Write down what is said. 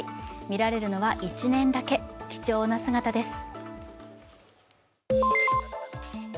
見られるのは１年だけ、貴重な姿です。